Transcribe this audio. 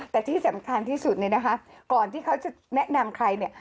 แต่ที่สำคัญที่สุดเนี่ยนะคะก่อนที่เขาจะแนะนำใครเนี่ย